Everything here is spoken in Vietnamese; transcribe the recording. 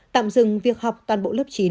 tạm dừng việc học toàn bộ lớp chín